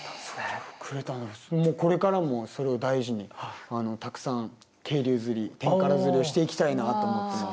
もうこれからもそれを大事にたくさん渓流釣りテンカラ釣りをしていきたいなと思ってます。